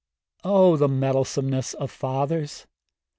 Oh, the meddlesomeness of fathers!